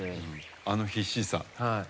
あの必死さ。